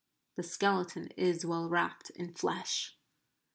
The skeleton is well wrapped in flesh.